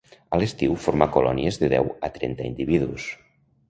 A l'estiu forma colònies de deu a trenta individus.